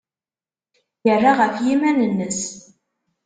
Yerra ɣef yiman-nnes.